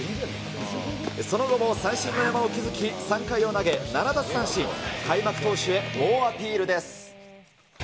その後も三振の山を築き、３回を投げ、７奪三振、開幕投手へ猛アピールです。